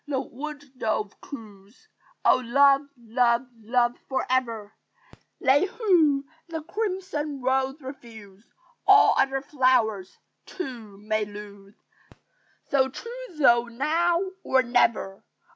the wood dove coos; "Oh, love, love, love, for ever! They who the crimson rose refuse, All other flowers, too, may lose So choose thou now or never!